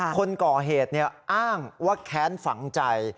คนก่อเหตุอ้างว่าแค้นฝังใจ